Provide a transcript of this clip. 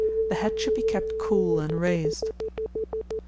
The head should be kept cool and raised.